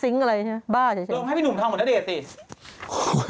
ลงให้พี่หนุ่มทองหมดได้เดี๋ยวสิ